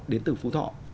đến từ phú thọ